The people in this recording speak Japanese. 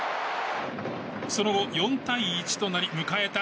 その後、４対１となり迎えた